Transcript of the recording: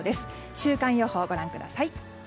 週間予報をご覧ください。